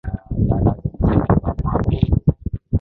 Barack Hussein Obama wa pili